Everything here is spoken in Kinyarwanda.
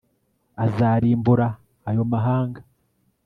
azarimbura ayo mahanga